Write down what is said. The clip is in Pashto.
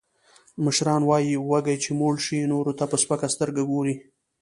مشران وایي: وږی چې موړ شي، نورو ته په سپکه سترګه ګوري.